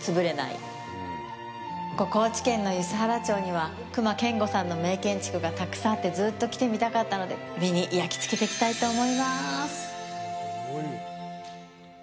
ここ、高知県の梼原町には隈研吾さんの名建築がたくさんあって、ずっと来てみたかったので、目に焼き付けていきたいと思います。